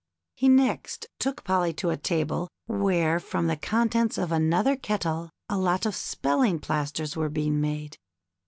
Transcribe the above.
He next took Polly to a table where from the contents of another kettle a lot of Spelling plasters were being made.